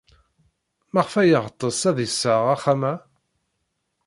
Maɣef ay yeɣtes ad d-iseɣ axxam-a?